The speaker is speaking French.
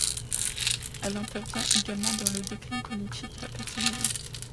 Elle intervient également dans le déclin cognitif de la personne âgée.